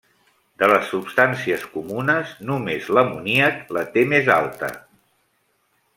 De les substàncies comunes només l'amoníac la té més alta.